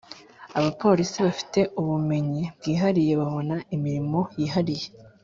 Abapolisi bafite ubumenyi bwihariye babona imirimo yihariye